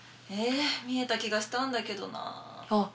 えーっ見えた気がしたんだけどなあ